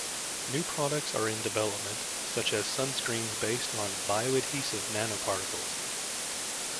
New products are in development such as sunscreens based on bioadhesive nanoparticles.